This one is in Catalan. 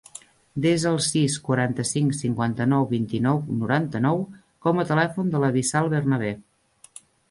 Desa el sis, quaranta-cinc, cinquanta-nou, vint-i-nou, noranta-nou com a telèfon de la Wissal Bernabe.